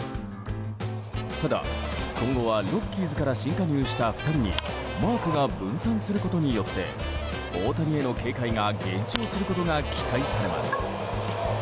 ただ、今後はロッキーズから新加入した２人にマークが分散することによって大谷への警戒が減少することが期待されます。